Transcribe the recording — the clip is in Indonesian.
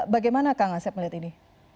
bagaimana kang asep melihat ini